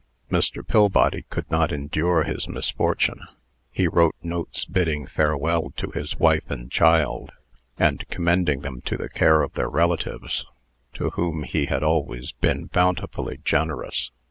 Mr. Pillbody could not endure his misfortune. He wrote notes bidding farewell to his wife and child, and commending them to the care of their relatives, to whom he had always been bountifully generous.